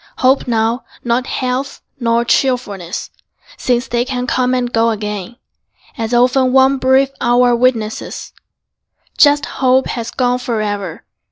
Hope now, not health nor cheerfulness, Since they can come and go again, As often one brief hour witnesses, Just hope has gone forever.